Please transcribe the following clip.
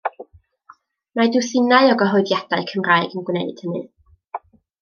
Mae dwsinau o gyhoeddiadau Cymraeg yn gwneud hynny.